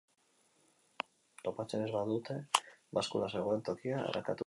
Topatzen ez badute, baskula zegoen tokia arakatuko dute.